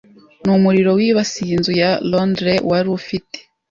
numuriro wibasiye inzu ya Londres wari ufite